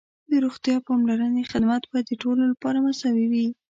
د روغتیا پاملرنې خدمات باید د ټولو لپاره مساوي وي.